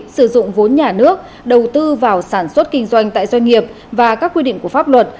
sử dụng vốn nhà nước đầu tư vào sản xuất kinh doanh tại doanh nghiệp và các quy định của pháp luật